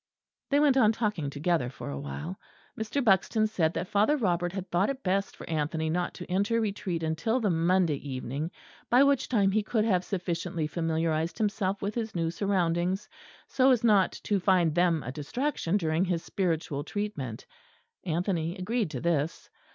They went on talking together for a while. Mr. Buxton said that Father Robert had thought it best for Anthony not to enter Retreat until the Monday evening; by which time he could have sufficiently familiarised himself with his new surroundings, so as not to find them a distraction during his spiritual treatment. Anthony agreed to this.